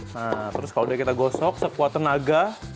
nah terus kalau udah kita gosok sekuat tenaga